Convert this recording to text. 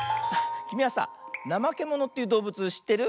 きみはさあ「なまけもの」っていうどうぶつしってる？